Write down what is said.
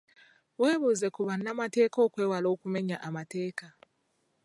Webuuze ku bannamateeka okwewala okumenya amateeka.